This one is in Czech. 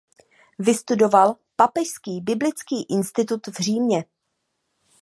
Vystudoval Papežský biblický institut v Římě.